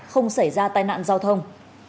không xảy ra tai nạn giao thông